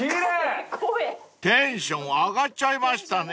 ［テンション上がっちゃいましたね］